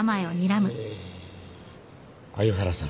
え鮎原さん。